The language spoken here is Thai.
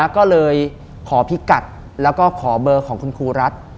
ก็เลยขอพิกัดแล้วก็ขอเบอร์ของคุณครูรัฐ